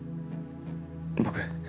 僕